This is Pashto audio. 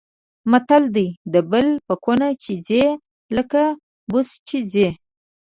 متل دی: د بل په کونه چې ځي لکه په بوسو چې ځي.